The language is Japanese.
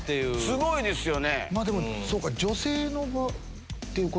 すごいですよね。